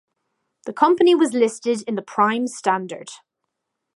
The company was listed in the Prime Standard.